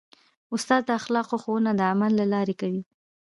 استاد د اخلاقو ښوونه د عمل له لارې کوي.